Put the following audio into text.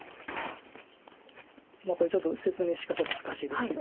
これちょっと説明のしかた難しいですけど。